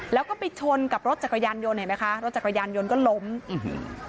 แล้วก็ไปชนกับรถจักรยานยนต์เห็นไหมคะรถจักรยานยนต์ก็ล้มอื้อหือ